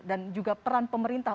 dan juga peran pemerintah